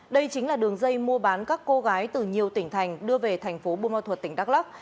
đây chính là đường dây mua bán các cô gái từ nhiều tỉnh thành đưa về thành phố bô ma thuật tỉnh đắk lắc